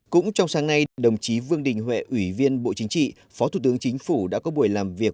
cũng trong sáng nay đồng chí vương đình huệ ủy viên bộ chính trị phó thủ tướng chính phủ đã có buổi làm việc